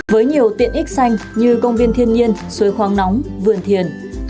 với nhiều tiện ích xanh như công viên thiên nhiên suối khoáng nóng vườn thiền